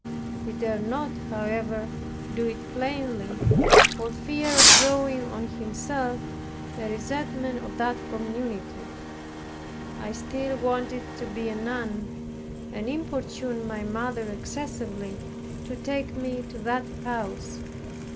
He dared not, however, do it plainly, for fear of drawing on himself the resentment of that community. I still wanted to be a nun, and importuned my mother excessively to take me to that house.